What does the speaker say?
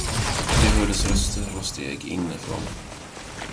Det hördes röster och steg inifrån.